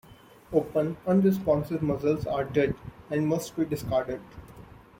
Open, unresponsive mussels are dead, and must be discarded.